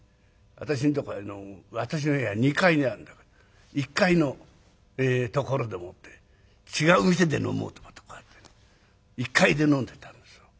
私のとこ私の部屋２階にあるんだけど１階のところでもって「違う店で飲もう」とかってこうやってね１階で飲んでたんですよ。